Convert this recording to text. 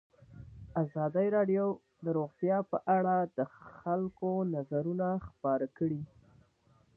ازادي راډیو د روغتیا په اړه د خلکو نظرونه خپاره کړي.